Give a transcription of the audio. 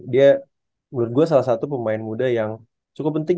dia menurut gue salah satu pemain muda yang cukup penting